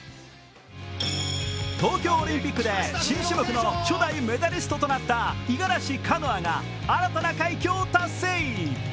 東京オリンピックで新種目の初代メダリストとなった五十嵐カノアが新たな快挙を達成。